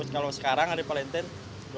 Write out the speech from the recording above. kalau sekarang hari valentine dua ratus ribu